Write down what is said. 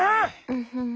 うん。